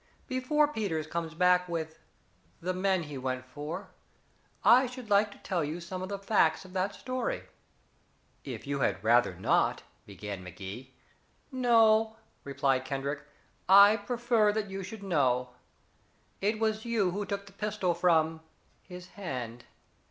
Before Peters comes back with the men he went for I should like to tell you some of the facts of that story." "If you had rather not " began Magee. "No," replied Kendrick, "I prefer that you should know. It was you who took the pistol from his hand.